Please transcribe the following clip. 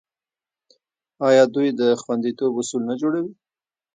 آیا دوی د خوندیتوب اصول نه جوړوي؟